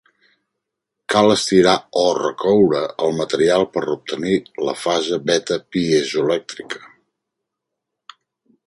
Cal estirar o recoure el material per obtenir la fase beta piezoelèctrica.